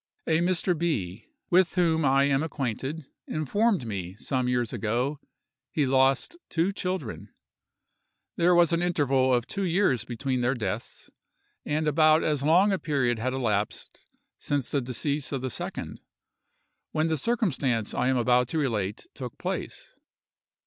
A Mr. B——, with whom I am acquainted, informed me that, some years ago, he lost two children. There was an interval of two years between their deaths; and about as long a period had elapsed since the decease of the second, when the circumstance I am about to relate took place.